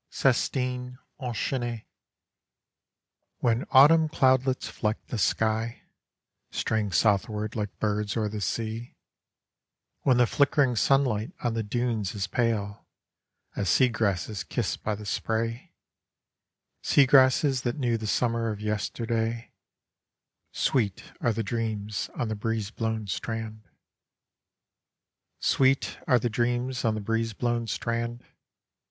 (Seatine tinchainee). When autumn cloudlets fleck the sky Straying' southward like birds o T er the sea, When the flickering sunlight on the dunes Is pale, as seagrasses kissed by the spray, Seagrasses that knew the summer of yesterday Swot are tha dreans on the breeze clown strand'. Sweet are the dreans on the breoze blown strand!